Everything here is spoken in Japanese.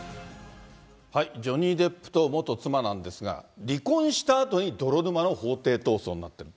ジョニー・デップと元妻なんですが、離婚したあとに泥沼の法廷闘争になってる。